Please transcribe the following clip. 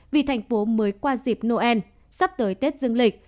vì thành phố mới qua dịp noel sắp tới tết dương lịch